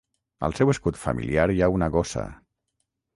Al seu escut familiar hi ha una gossa.